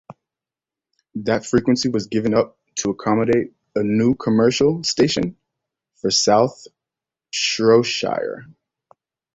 That frequency was given up to accommodate a new commercial station for South Shropshire.